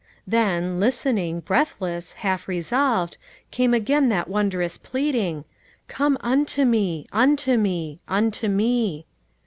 Then, listening, breathless, half resolved, came again that wondrous pleading, " Come unto Me, unto Me, unto Me."